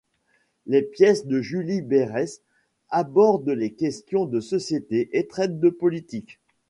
Les pièces de Julie Berès abordent les questions de société et traite de politique.